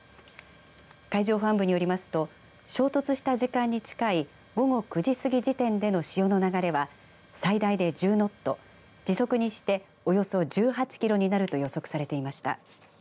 海上保安部によりますと衝突した時間に近い午後９時過ぎ時点での潮の流れは最大で１０ノット時速にしておよそ１８キロになると予測されていました。